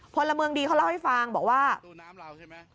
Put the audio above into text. พลเมืองดีเขาเล่าให้ฟังบอกว่าตัวน้ำเราใช่ไหม